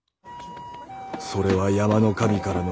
それは山の神からの罰。